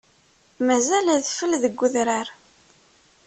Mazal adfel deg udrar.